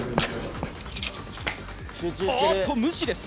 おーっと無視です